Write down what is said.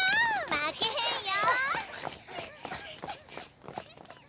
負けへんよ！